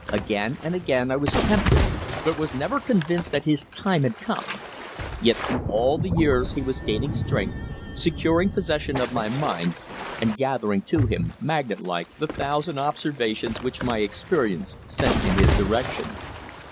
Again and again I was tempted, but was never convinced that his time had come; yet through all the years he was gaining strength, securing possession of my mind, and gathering to him, magnet like, the thousand observations which my experience sent in his direction.